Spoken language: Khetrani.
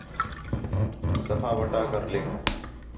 صفحہ وَٹا کر لِکھ